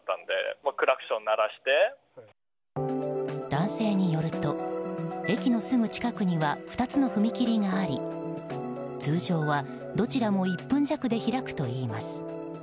男性によると駅のすぐ近くには２つの踏切があり通常は、どちらも１分弱で開くといいます。